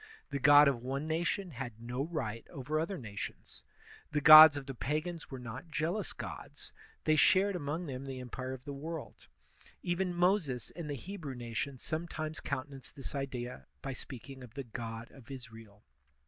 The god of one nation had no right over other nations. The gods of the pagans were not jealous gods; they shared among them the empire of the world; even Moses and the Hebrew nation sometimes cotmte nanced this idea by speaking of the god of Israel.